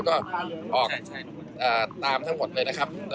ก็ออกตามทั้งหมดเลยนะครับ